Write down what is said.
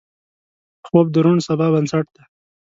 خوب د روڼ سبا بنسټ دی